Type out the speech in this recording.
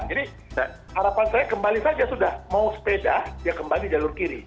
jadi harapan saya kembali saja sudah mau sepeda dia kembali jalur kiri